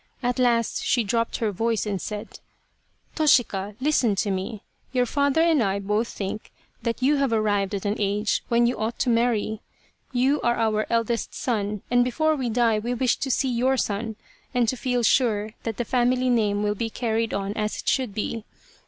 At last she dropped her voice and said :" Toshika, listen to me ! Your father and I both think that you have arrived at an age when you ought to marry. You are our eldest son, and before we die we wish to see your son, and to feel sure that the The Lady of the Picture family name will be carried on as it should be.